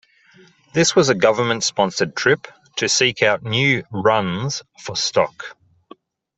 This was a government sponsored trip to seek out new 'runs' for stock.